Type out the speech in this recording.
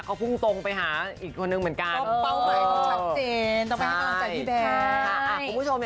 เขาพึงตรงไปหาอีกคนนึงเหมือนกันเออเกิดป๊อกไปท้ายเจ๊